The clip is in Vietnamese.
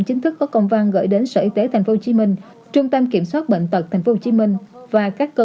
chính thức có công văn gửi đến sở y tế tp hcm trung tâm kiểm soát bệnh tật tp hcm và các cơ